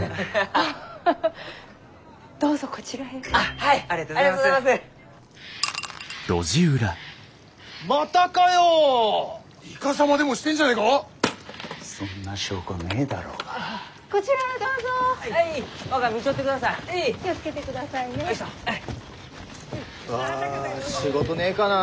あ仕事ねえかな？